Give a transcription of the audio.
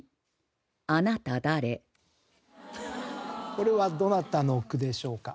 これはどなたの句でしょうか？